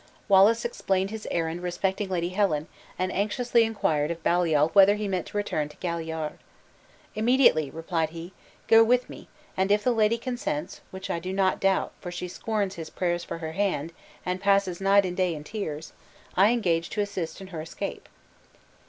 Wallace explained his errand respecting Lady Helen, and anxiously inquired of Baliol whether he meant to return to Galliard? "Immediately," replied he; "go with me, and if the lady consents (which I do not doubt, for she scorns his prayers for her hand, and passes night and day in tears), I engage to assist in her escape."